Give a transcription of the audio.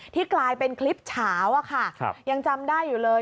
กลายเป็นคลิปเฉาค่ะยังจำได้อยู่เลย